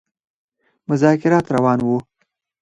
مذاکرات روان وه.